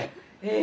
え！